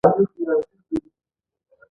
زه هم ورسره ولاړم.